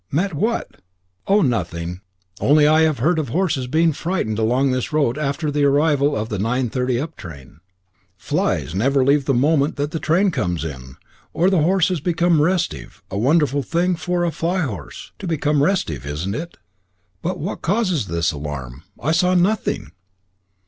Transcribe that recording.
"Met what?" "Oh, nothing; only I have heard of horses being frightened along this road after the arrival of the 9.30 up train. Flys never leave the moment that the train comes in, or the horses become restive a wonderful thing for a fly horse to become restive, isn't it?" "But what causes this alarm? I saw nothing!"